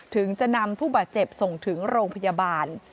ถึงจะนำผู้บาดเจ็บส่งถึงโรงพยาบาล